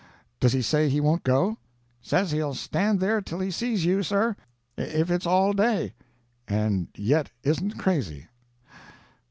Does he say he won't go?" "Says he'll stand there till he sees you, sir, if it's all day." "And yet isn't crazy.